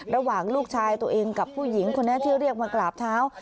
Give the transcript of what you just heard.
ระหว่างลูกชายตัวเองกับผู้หญิงคนนี้ที่เรียกมากราบเท้า